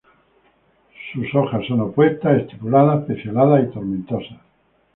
Sus hojas son opuestas, estipuladas, pecioladas y tomentosas.